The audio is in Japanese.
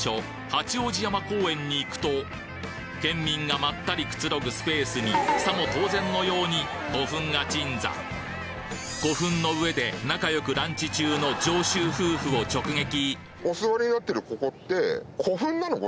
八王子山公園に行くと県民がまったりくつろぐスペースにさも当然のように古墳が鎮座古墳の上で仲良くランチ中の上州夫婦を直撃！